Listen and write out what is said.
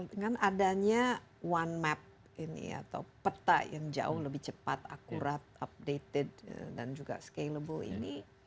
dengan adanya one map ini atau peta yang jauh lebih cepat akurat updated dan juga scalable ini